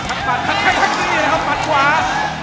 ทักปันทักนี้เลยครับปันขวา